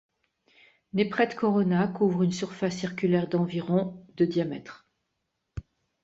Nepret Corona couvre une surface circulaire d'environ de diamètre.